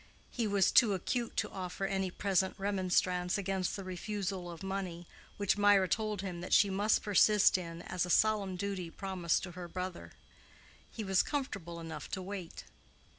He was too acute to offer any present remonstrance against the refusal of money, which Mirah told him that she must persist in as a solemn duty promised to her brother. He was comfortable enough to wait.